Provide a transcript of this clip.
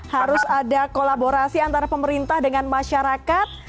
harus ada kolaborasi antara pemerintah dengan masyarakat